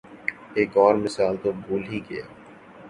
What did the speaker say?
ایک اور مثال تو بھول ہی گیا۔